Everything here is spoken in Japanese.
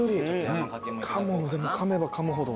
鴨かめばかむほど。